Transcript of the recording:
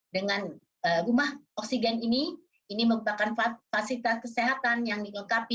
dengan rumah oksigen ini ini merupakan fasilitas kesehatan yang dilengkapi